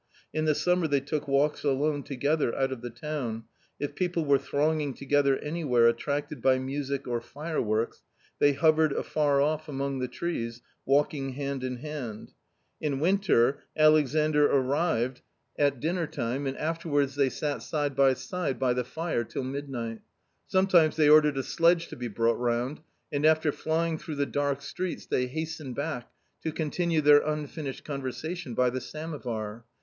In the summer they took walks alone together out of the town ; if people were thronging together anywhere attracted by music, or fireworks, they hovered afar off among the trees, walking hand in hand. In the winter Alexandr arrived at i8o A COMMON STORY dinner time and afterwards they sat side by side by the fire till midnight. Sometimes they ordered a sledge to be brought round, and after flying through the dark streets they hastened back to continue their unfinished conversation by the samovar.